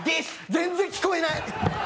全然聞こえない